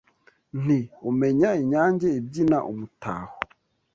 Nti “umenya inyange ibyina umutaho”